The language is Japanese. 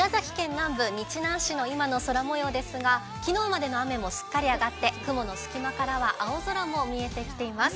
南部日南市の今の空もようですが昨日までの雨もすっかりあがって雲の隙間からは青空も見えてきています。